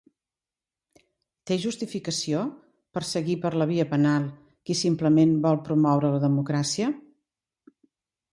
Té justificació perseguir per la via penal qui simplement vol promoure la democràcia?